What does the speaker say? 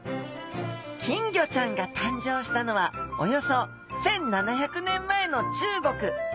金魚ちゃんが誕生したのはおよそ１，７００年前の中国。